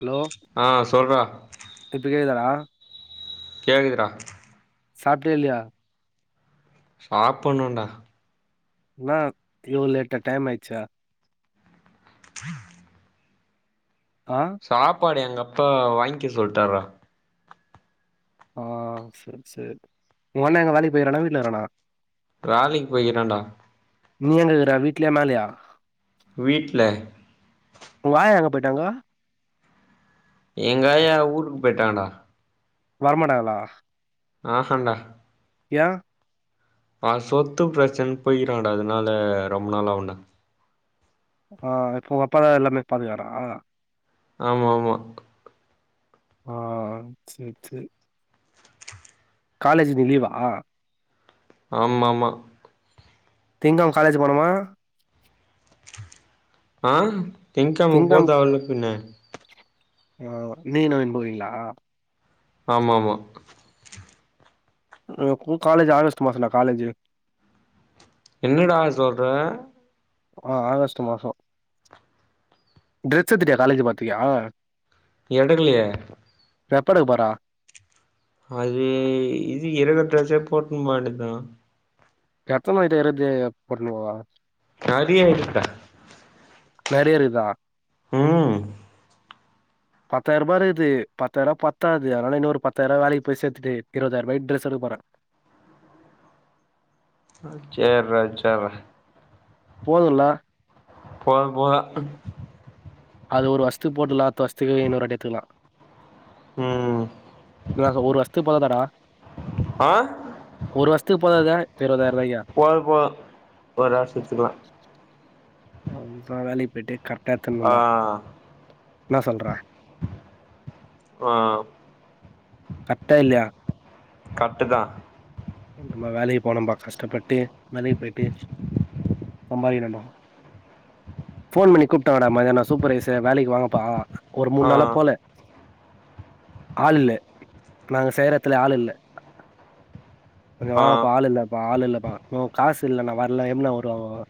hello ஆ சொல்றா இப்ப கேக்குதாடா கேக்குதுடா சாப்டியா இல்லையா சாப்பிணும் டா ந வ்லேட்ட டைம் ஆயச்சே ன ஆ சாப்பாடு எங்க அப்பா வாய்ங் கே சொல்ட்டாரா ஆஹ் சேரி சேரி உங்க அண்ண எங்க வேலைக்கு போயிருக்கானா வீட்டுல இருக்கனா ராலிக்கு போயிக்கிராண்டா கீலையா மேலயா வீட்டு்ல உங்க ஆயா எங்க போயிட்டாங்கோ எங்காயா ஊருக்கு போயிட்டாங்டா வரமாட்டாங்களா ஆஹாண்டா யேன் ஆஹ் சொத்து பிரச்சனை போய்கிறான்டா அதனால ரொம்ப நாள் ஆகுண்டா ஆஹ் இப்போ உங்க அப்பாதா எல்லாமே பாதுக்காரா ஆமா ஆமா ஆஹ் ஆஹ் சேரி சேரி காலேஜ் இன்னிக்கு லீவா ஆம ஆமா திங்கிழம காலேஜ் போனமா ஆஹ் திங்கிழம போதேவல்ல பின்ன ஆஹ் இன்னிக்கு என்ன [unintelligible] ஆமா ஆமா [unintelligible] கு காலேஜ் ஆகஷ்ட்டு மாசம் டா காலேஜ் என்னடா சொல்ற ஆஹ் ஆகஸ்ட் மாசம் ட்ரெஸ் எத்திட்டியா காலேஜ் போறதுக்கு எடுக்குலயே எப்ப எடுக்க போற அது இது இறகுற ட்ரெஸ்ஸே போட்டுனு போ வேண்டிதான் எத்தனைட்ட இருக்கறதே போட்ன்னு போவ நறிய இருக்கு டா நறைய இருக்குதா உம் பத்தாயிரபா இருக்குது பத்தாயிரபா பத்தாது அதனால இன்னொரு பத்தாயிரபா வேலைக்கு போய் சேர்த்துட்டு இருபதாயிரபாயிக்கு ட்ரெஸ் எடுக்கப்போறேன் ச்செரா ச்செரா போதுல்ல போதும் போதும் க் அது ஒரு வர்ஷதுக்கு போட்டுக்கலா அடுத்த வருஷத்துக்கு இன்னொருவாட்டி எடுத்துக்கலாம் ம் ஒரு வஷ்துக்கு போதாதா டா ஆ ஒரு வஸ்த்து போதாது இருவது போதும் போதும் ஒரு வர்ஷதுக்குள்ள பேசாம வேலைக்கு போயிட்டு ஏத்தணும் ஆ நண்பா என்னா சொல்ற ஆஹ் கர்ட்டா இல்லையா கர்ட்டுதா நம்ம வேலைக்கு போனம்ப்பா கஷ்டப்பட்டு மலை பிரிட்டிஷ் சம்பாரிக்கிறம்பா ஃபோன் பண்ணி கூப்டாங்க மத்தியான சூப்பர்வைசர் வேலைக்கு வாங்கப்பா ஒரு ஆ மூணு நாளா போல ஆளு இல்ல நாங்க செய்யற எடத்துல ஆள் இல்ல கொஞ்சோ ஆ வாங்கப்பா ஆள் இல்லப்பா ஆளு இல்லப்பா நோ காசு இல்ல நா வரல எப்பிட்னா வருவாங்கோ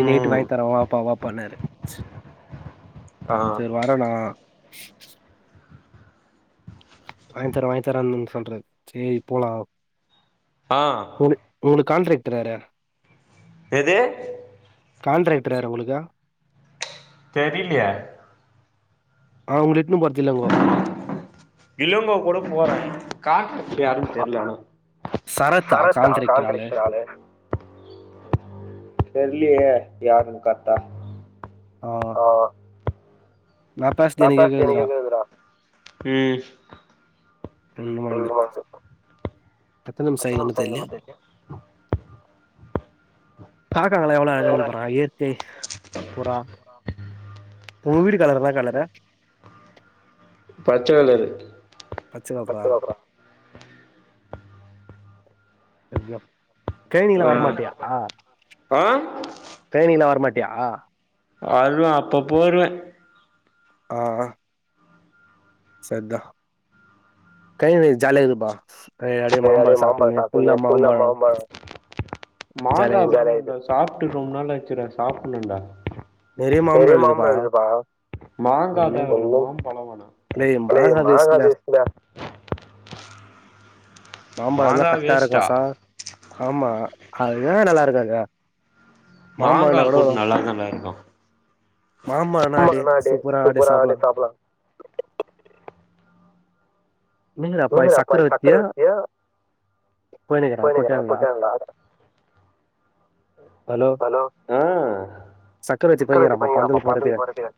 இன்னிக்கு நைட்டு ம் வாங்கி தர வாப்பா வாப்பானாரு ஆ செரி வரண்ணா ஷ் ஷ் வாங்கி தர வாங்கி தரன்னு சொல்ராரு செரி போலா ஆஹ் உனு உங்களுக்கு கான்ட்ராக்ட்ர் வேற யாரு எது கான்ட்ராக்டரு யாரு உங்களுக்கு தெரியலையே அவுங்கல இட்டுன்னு போறதில்லங்கோ இளங்கோ கூட போற காண்ட்ராக்ட்ரு யாருனு தெரியல சரத்தா காண்ட்ராக்டர் ஆளு தெரியலையே யாருனு கரெட்டா ஆஹ் ஆஹ் நா பேசர்து எனைக்கே கேக்குதுடா உம் ரெண்டு பண்டு எத்தன மிஸ்சாயிக்குதுன்னு தெரிலையே காக்காங்களா எவ்ளோ அழகாகுது பார்ற இயற்கை புறா ஊ வீடு [unintelligible] பச்ச கலரு பச்ச கலரா எக்ஸாம் ட்ரெயினிங்லா ஆ வரமாட்டியா ஆ ட்ரெயினிங்லா வரமாட்டியா வருவன் அப்பப்ப வருவன் ஆ செர்தா கைவை ஜாலியா இருக்குப்பா ஜாலியா மாம்பழம் சாப்பிட்டுண்ணு ஃபுல்லா மாம்பழம் மாங்கா ஜாலியா சாப்ட்டு ரொம்ப நாளாச்சுடா சாப்புனுண்டா நெறைய மாம்பழோ இருக்குப்பா ஒன்னும் டேய் மாங்கா வேஸ்ட்ல [unintelligible] மாம்பழம்லாம் கரெக்டா இருக்கோசா ஆமா அது ஏன் நல்லாருக்காது மாங்கா கூட்டு நல்லா நல்லா இருக்கும் மாம்பழோனா அப்டியே சூப்பரா அப்டியே சாப்பலா [unintelligible] என்னங்கடா அப்பா நீங்காப்பா சக்கர வச்சியா சக்கரவத்தியா போய்னுக்குறா போயண்ணிக்கிறான் குட்டன்டா குட்டல ஹலோ உம் சக்கர வச்சு சக்கரவர்த்தி போய்னுக்குறாப்பா பங்கப்பா பந்தல் போட்றதுக்கு போறட்ட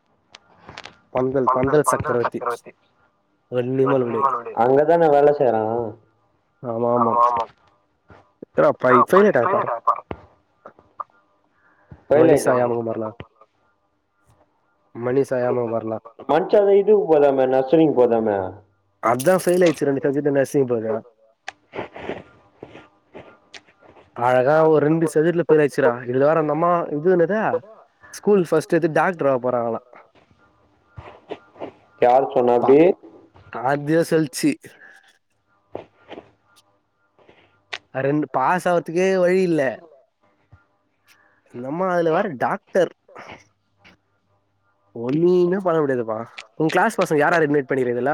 பந்தல் பந்தல் சக்கரவர்த்திமடைய வன்னியமால் ஒடே அங்கதான வேலை செய்றான் ஆமா ஆமா [unintelligible] ஃபெயில் மனிஷா ஞாபகம் வரலாம் மனிஷா தான்இதுக்கு போதாம நர்சரிங் போதாமே அதான் ஃபெயில் ஆயிடுச்சு ரெண்டு சப்ஜெக்ட் நர்சிங் போதா அழகா ஒரு ரெண்டு சப்ஜெக்ட்ல பேயில்ஆச்சிரான் இழுது வாரம் அந்தம்மா இதுனுத ஸ்கூல் ஃபஸ்ட் எத்து டாக்டர் ஆக போறாங்களா யார் சொன்னாப்படி ஆது தான் சொல்ச்சி ரெண்டு பாஸ் ஆகுதுக்கு வழி இல்ல நம்மா அதுல வேற டாக் டர் ஒ நீ இன்னும் பண்ண முடியாதுப்பா உங்க கிளாஸ் பசங்க யார் இன்வைட் பண்ணிருதுல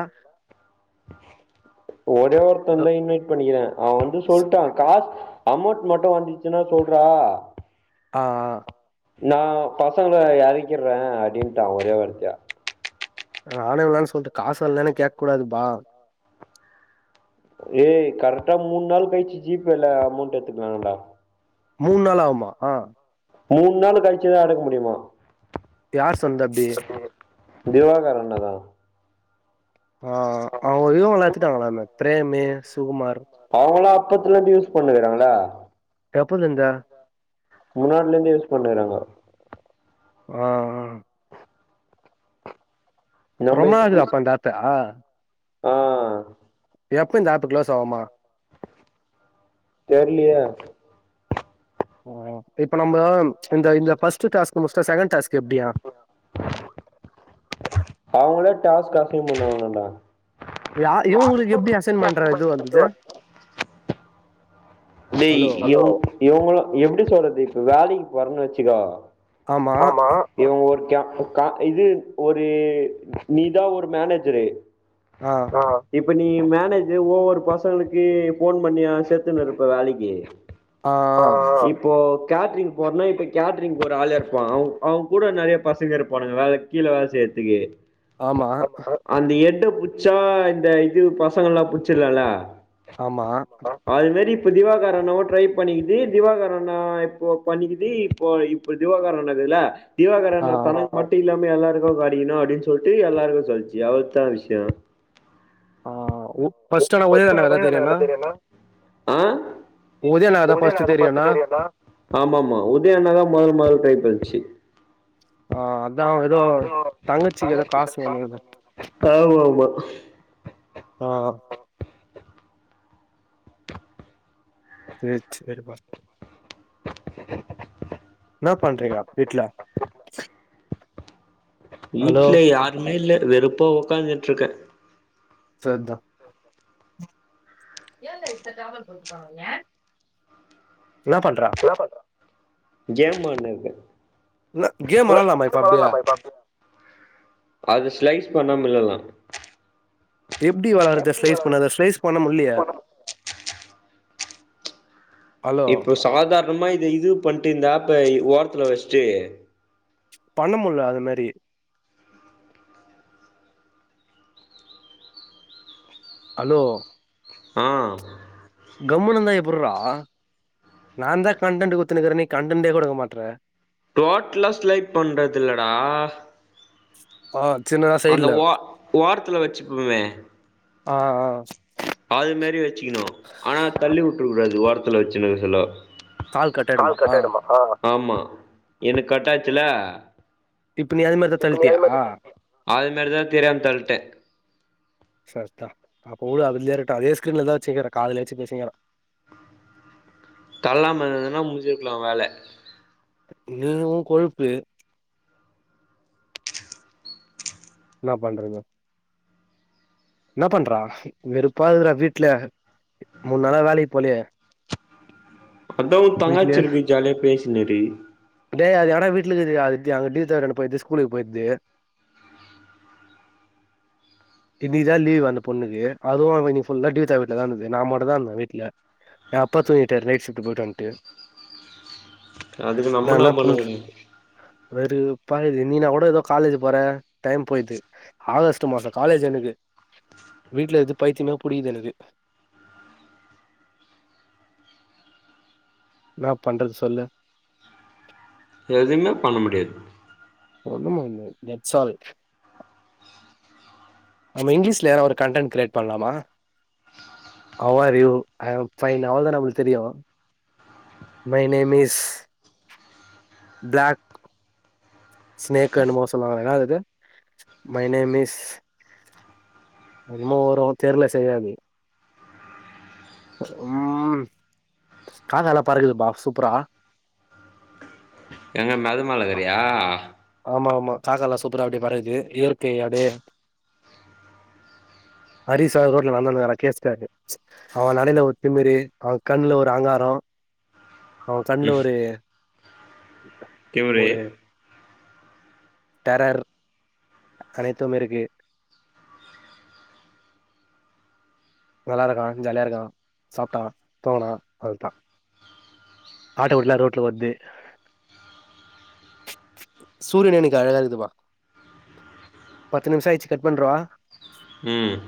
ஒரே ஒருத்தன் தான் இன்வைட் பண்ணிக்கிறேன் அவன் வந்து சொல்ட்டான் காச அமௌண்ட் மட்டும் வந்துச்சுன்னா சொல்றா ஆஹ் ஹ நான் பசங்களை இறைக்கிற்றேன் அப்படின்ட்டான் ஒரே வார்த்தியா ஆணவலாம்னு சொல்லிட்டு காச இலைன்னே கேட்க கூடாது பா ஏய் கரெக்டா மூணு நாள் கழிச்சு ஜிபேல அமௌண்ட் எத்துக்கலாங்களடா மூணு நாள் ஆகுமா ஆ மூணு நாள் கழிச்சுதான் எடுக்க முடியுமா யார் சொன்னது அப்டி திவாகரண்ணதான் அ அவங்க இவங்கள எடுத்துட்டாங்களாமே பிரேம்மு சுகுமார் அவுங்கள அப் பக்கத்துல இருந்து யூஸ் பண்ணுகிறாங்கள எப்போ தந்தா முன்னாடில இருந்து யூஸ் பண்ணுறாங்க ஆ ஆ நம்ம ரொமா ஆகுது இப்ப அப்ப தாத்தா ஆ எப்ப இந்த ஆப்பு கிலோஸ் ஆவுமா தெரிலையே ம் இப்ப நம்ம இந்த இல்ல அவுங்களே டாஸ்க்கா [unintelligible] யா இவகளுக்கு எப்டி அசைன் பண்ற இது வந்தது டேய் ஹலோ இவங் இவங்களும் எப்படி சொல்றது இப்ப வேலைக் வரேனு வச்சுக்கோ ஆமா இவங்க ஊருக்கே ஓர்கா இது ஒரு நீ தான் ஒரு மேனேஜரு ஆ இரு இப்ப நீ மேனேஜர் ஒவ்வொரு பசங்களுக்கு போன் பண்ணி சேர்த்துனு இருக் க இப்ப வேலைக்கு ஆ ஆ கேட்ரிங் போறன்னா இப்போ கேட்ரிங் போற ஆளு இருப்பான் அவுங்க கூட நிறைய பசங்க இருப்பானுங்க வேலை கீழே வேலை செய்யிறதுக்கு ஆமா அந்த எட் டு பிடிச்சா இந்த இது பசங்க எல்லாம் பிச்சிடலால ஆமா இப்ப திவாகரனும் ட்ரை பண்ணிக்குது திவாகரனும் இப்போ பண்ணக்குது இப்போ இப்ப திவாகரனக்குதுல ஆ திவாகரன்னா பணம் கொட்டி இல்லாம எல்லாருக்கும் கெடைக்கணும் அப்படின்னு சொல்லிட்டு எல்லாருக்கும் சொல்லிச்சு அவளதான் விஷயம் ஆ ப்ஃஸ்ட்னா ஓல்லியா இருந்தான பெயரினா உதயா ஃபர்ஸ்ட் அண்ணா தெரியுண்ணா தெரிய ஆமாம உதயனாதான் மாறு மாறு ரைப்பச்சு ஆ அதா ஏதோ அதான் தங்கச்சிக்கு அதான் ஏதோ காசு வேணும்னு ஆமா ஆமா ஆ செரி செரிப்பா என்ன பண்றேங்கா வீட்ல ஹலோ வீட்ல யாருமே இல்ல வெறுப்பா உக்காந்துட்டு இருக்கேன் செரிதா ஏல இ டிராவல் போட்டுக்கங்கங்க என்ன பண்ற கேம் விலாண்டுருக்கேன் என்ன கேம் வெளாடலாமா இப்ப ல அப்டியே அது ஸ்லைஸ் பண்ண மல்லலாம் எப்படி விளாடறது ஸ்லைஸ் பண்ண ஸ்லைஸ் பண்ண முடியலையா இப்போ சாதாரண ஆமா இத இது பண்ணிட்டு இந்தாப்ப ஓரத்துல வச்சுட்டு பண்ண முடில அது மாதிரி ஹலோ ஆஹ் கம்முன்னு இருந்தா எப்புடுரா நான் தான் கண்டன்ட் குத்துனுக்கிறேன் நீ கண்டடன்டே கொடுக்க மாட்டற டோடலா ஸ்லைக்ட் பண்றது இல்லடா ஆஹ் அந்த ஓரத்துல வச்சுப்பமே ஆஹ் ஆஹ் அது மாதாரி வச்சுக்கணும் ஆனா தள்ளி விட்டுக்க கூடாது ஓரத்துல வச்சுன்ன சொல்ல கட் ஆயிடுமா கால் ஆ கட்டாய்டுமா ஆமா எனக்கு கட்டாய் சில இப்ப நீ அது மாரிதான் தள்ட்டியா அது மாதிரிதான் தெரியாம தழுட்டேன் செரிதான் அப்ப உள்ள அதுலேட்ட அதே ஸ்கிரீன்லதான் வச்சுக்கிறே கால வச்சு பேசிக்கிறேன் தள்ளாமதுன்னா முடிஞ்சிருக்கலாம் வேலை இது ஒ கொழுப்பு என்ன பண்றீங்க என்ன பண்றா வெறுப்பா இருக்கு டா வீட்டுல மூணு நாளா வேலைக்கு போலே அதவும் வீட்லயே தங்காயச்சிருக்கு ஜாலிய பேச மேபி டே அது ஆனா வீட்டுல எங்க அங்கருக்குது போயிது ஸ்கூலுக்கு போயிருது இன்னைக்கு தான் லீவ் அந்த பொண்ணுக்கு அதுவும் நீ ஃபுல்லா லீவ் தவட்டுல தான் இருந்தது நான் மட்ட தான் இருந்தேன் வீட்டுல என் அப்பா தூங்கிட்டரு நைட் ஷிஃப்ட் போயிட்டு வன்ட்டு அதுக்கு நம்ம என்ன பண்ண முடியும் வெறுப்பா இருக்குது நீ நான் கூட ஏதோ காலேஜ் போற டைம் போயிது ஆகஸ்ட் மாசம் காலேஜ் எனக்கு வீட்ல இது பைத்தியமே புடிகிது எனக்கு என்னா பண்றது சொல்லு எதுவுமே பண்ண முடியாது ஒண்ணும் பண்ண முடியாது தட் சால் நம்ம இங்கிலீஷ்ல ஒரு கண்டன் கிரியேட் பண்லாமா how are you I am fine அவ்ளோதான் நம்மளுக்கு தெரியும் my name is black snake my name is என்மோ வரும் தெர்ல செய்யாது உம் காதுலாம் நல்லா பறக்குதுப்பா சூப்பரா எங்க மதுமலைகறியா ஆமா ஆமா காக்கால்லாம் சூப்ரா அப்டே பறகுது இயற்கை அப்டே ஹரிசவர் ரோட்ல நடந்துங்க கேசரு அவன் நடயில ஒரு திமிறு அவன் கண்ணுல ஒரு அகங்காரம் அவன் கண்ணுல ஒரு இவரே ஒரு டெரர் அனைத்தும் இருக்கு நல்லா தா இருக்கான் ஜாலியா இருக்கான் சாப்டான் தூங்குனாம் அழுட்டான் ஆட்டு குடிலாம் ரோட்ல வருது சூரியன் இன்னைக்கி அழகா இருதுவா பத்து நிமிஷம் ஆயிடுச்சு கட் பண்றவா ம்